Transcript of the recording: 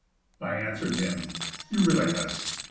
I answer'd him: 'Eurylochus!